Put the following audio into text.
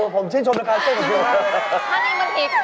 ผมชื่นชมราคาเซ่๊ะของพี่ครับ